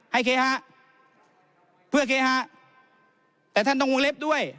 โอเคฮะเพื่อเคฮะแต่ท่านต้องวงเล็บด้วย